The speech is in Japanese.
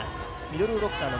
ミドルブロッカーの